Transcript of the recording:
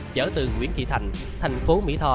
chở từ nguyễn kỳ thành thành phố mỹ tho